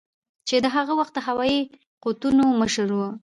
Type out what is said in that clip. چې د هغه وخت د هوایي قوتونو مشر ؤ